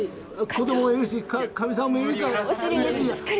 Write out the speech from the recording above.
子どもがいるしかみさんもいるから。